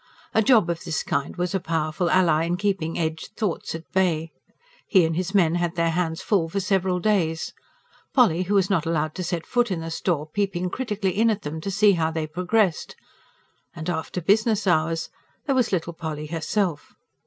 A job of this kind was a powerful ally in keeping edged thoughts at bay. He and his men had their hands full for several days, Polly, who was not allowed to set foot in the store, peeping critically in at them to see how they progressed. And, after business hours, there was little Polly herself.